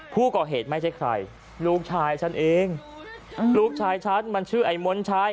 ผู้ก่อเหตุไม่ใช่ใครลูกชายฉันเองลูกชายฉันมันชื่อไอ้มนชัย